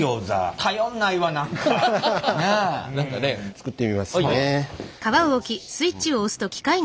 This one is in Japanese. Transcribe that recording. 作ってみますね。